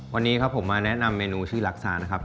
วันนี้ครับผมมาแนะนำเมนูที่รักษานะครับ